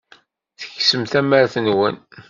Tekksem tamart-nwen.